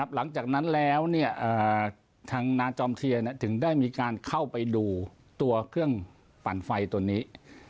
หลังจากนั้นแล้วทางนาจอมเทียนถึงได้มีการเข้าไปดูตัวเครื่องปั่นไฟตัวนี้